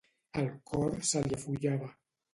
El cor se li afollava.